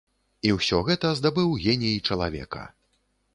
І ўсё гэта здабыў геній чалавека.